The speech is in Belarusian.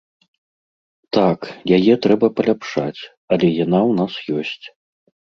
Так, яе трэба паляпшаць, але яна ў нас ёсць.